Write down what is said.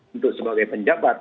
untuk sebagai penjabat